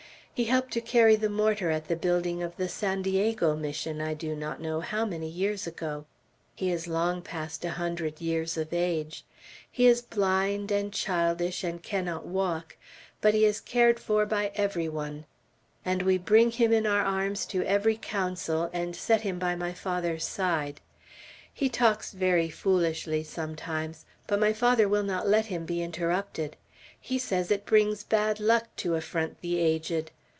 He helped to carry the mortar at the building of the San Diego Mission, I do not know how many years ago. He is long past a hundred years of age. He is blind and childish, and cannot walk; but he is cared for by every one. And we bring him in our arms to every council, and set him by my father's side. He talks very foolishly sometimes, but my father will not let him be interrupted. He says it brings bad luck to affront the aged.